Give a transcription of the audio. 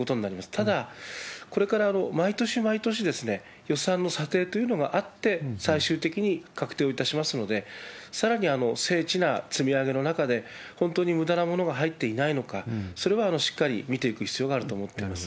ただ、これから毎年毎年、予算の査定というのがあって、最終的に確定をいたしますので、さらに精緻な積み上げの中で、本当にむだなものが入っていないのか、それはしっかり見ていく必要があると思っております。